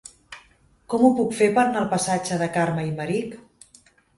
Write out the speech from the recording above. Com ho puc fer per anar al passatge de Carme Aymerich?